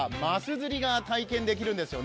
釣りが体験できるんです。